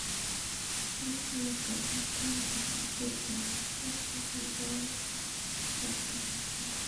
This was the first time in history that a Soviet leader had done so.